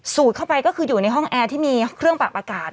เข้าไปก็คืออยู่ในห้องแอร์ที่มีเครื่องปรับอากาศ